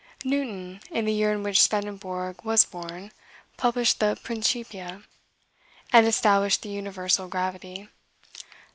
Newton, in the year in which Swedenborg was born, published the "Principia," and established the universal gravity.